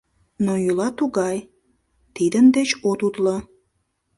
Но йӱла тугай, тидын деч от утло.